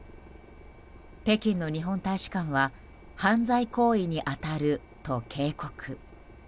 北京の日本大使館は犯罪行為に当たると警告。